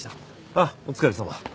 ああお疲れさま。